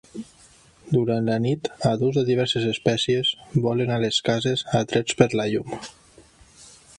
Durant la nit, adults de diverses espècies volen a les cases atrets per la llum.